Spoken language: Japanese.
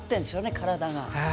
体が。